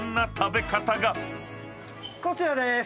こちらです。